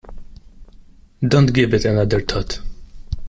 Don't give it another thought.